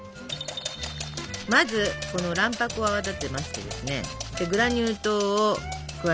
まずこの卵白を泡立てましてですねで